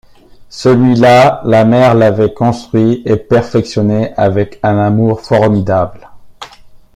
Celui-là, la mer l’avait construit et perfectionné avec un amour formidable.